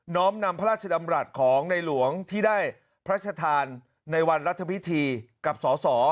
้อมนำพระราชดำรัฐของในหลวงที่ได้พระชธานในวันรัฐพิธีกับสส